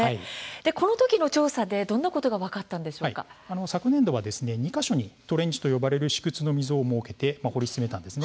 この時の調査で、どんなことが昨年度は２か所にトレンチと呼ばれる試掘の溝を設けたんです。